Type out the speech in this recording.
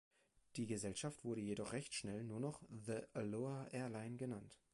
Die Gesellschaft wurde jedoch recht schnell nur noch „The Aloha Airline“ genannt.